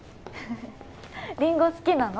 リンゴ好きなの？